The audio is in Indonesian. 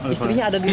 istrinya ada di lokasi